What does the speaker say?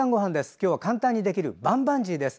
今日は簡単にできるバンバンジーです。